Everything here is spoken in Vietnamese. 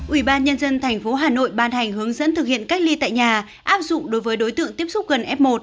ủy ban nhân dân tp hà nội ban hành hướng dẫn thực hiện cách ly tại nhà áp dụng đối với đối tượng tiếp xúc gần f một